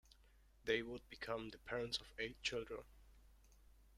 They would become the parents of eight children.